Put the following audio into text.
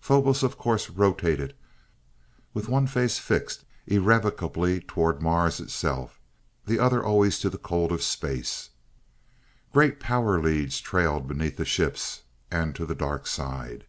Phobos of course rotated with one face fixed irrevocably toward Mars itself, the other always to the cold of space. Great power leads trailed beneath the ships, and to the dark side.